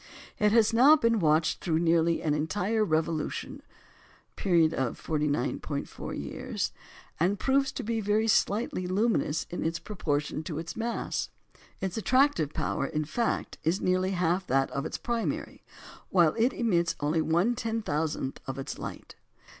It has now been watched through nearly an entire revolution (period 49·4 years), and proves to be very slightly luminous in proportion to its mass. Its attractive power, in fact, is nearly half that of its primary, while it emits only 1/10000th of its light.